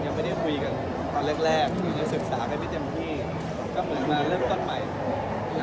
ก็ยังไม่ได้คุยกันตอนแรกศึกษาไปเต็มที่ก็เหมือนกำลังเริ่มต้นใหม่